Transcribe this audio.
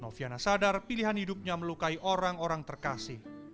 noviana sadar pilihan hidupnya melukai orang orang terkasih